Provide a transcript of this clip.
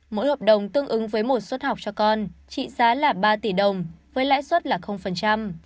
mỗi hợp đồng tương ứng với một suất học cho con trị giá là ba tỷ đồng với lãi suất là